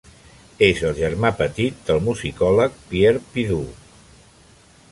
És el germà petit del musicòleg Pierre Pidoux.